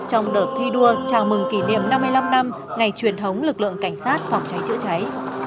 trong đợt thi đua chào mừng kỷ niệm năm mươi năm năm ngày truyền thống lực lượng cảnh sát phòng cháy chữa cháy